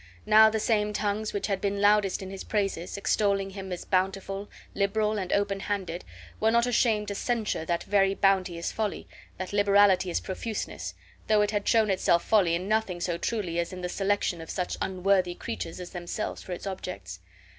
Now the same tongues which had been loudest in his praises, extolling him as bountiful, liberal, and open handed, were not ashamed to censure that very bounty as folly, that liberality as profuseness, though it had shown itself folly in nothing so truly as in the selection of such unworthy creatures as themselves for its objects.